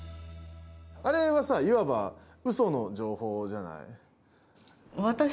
あれはさいわばうその情報じゃない。